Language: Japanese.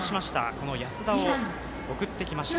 この安田を送ってきました。